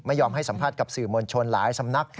ยอมให้สัมภาษณ์กับสื่อมวลชนหลายสำนัก